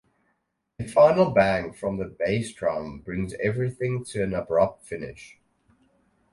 A final bang from the bass drum brings everything to an abrupt finish.